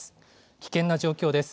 危険な状況です。